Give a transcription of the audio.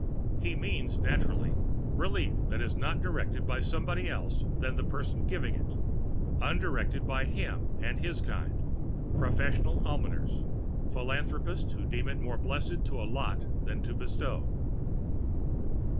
He means, naturally, relief that is not directed by somebody else than the person giving it undirected by him and his kind professional almoners philanthropists who deem it more blessed to allot than to bestow.